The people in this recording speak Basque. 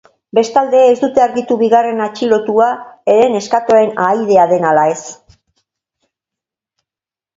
Bestalde, ez dute argitu bigarren atxilotua ere neskatoaren ahaidea den ala ez.